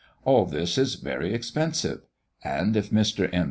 All this is very expensive. And, if Mr. M.